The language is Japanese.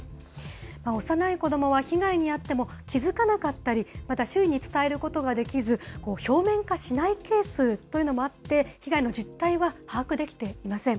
幼い子どもは被害に遭っても気付かなかったり、また周囲に伝えることができず、表面化しないケースというのもあって、被害の実態は把握できていません。